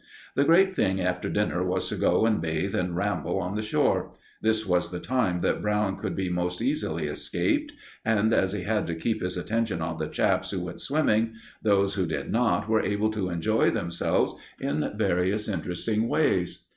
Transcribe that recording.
The great thing after dinner was to go and bathe and ramble on the shore. This was the time that Brown could be most easily escaped, and as he had to keep his attention on the chaps who went swimming, those who did not were able to enjoy themselves in various interesting ways.